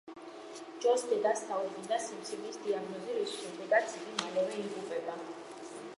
ჯოს დედას დაუდგინდა სიმსივნის დიაგნოზი, რის შემდეგაც იგი მალევე იღუპება.